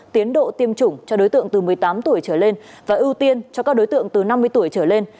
tiến độ tiêm chủng cho đối tượng từ một mươi tám tuổi trở lên và ưu tiên cho các đối tượng từ năm mươi tuổi trở lên